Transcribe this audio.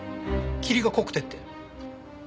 霧が濃くてって。